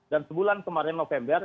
dan sebulan kemarin november